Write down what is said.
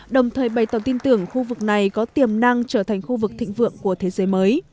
đồng thời bày tỏ tin tưởng khu vực này có tiềm năng trở thành khu vực thịnh vượng của thế giới mới